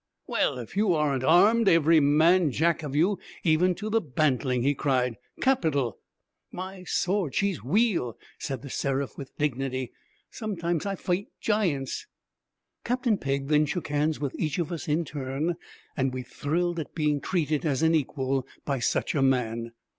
'Well, if you aren't armed every man jack of you even to the bantling!' he cried. 'Capital!' 'My sword, she's weal,' said The Seraph with dignity. 'Sometimes I fight giants.' Captain Pegg then shook hands with each of us in turn, and we thrilled at being treated as an equal by such a man.